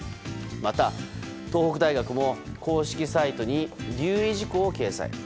また、東北大学も公式サイトに留意事項を掲載。